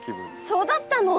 そうだったの？